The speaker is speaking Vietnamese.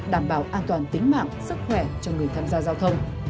đảm bảo an toàn tính mạng sức khỏe cho người tham gia giao thông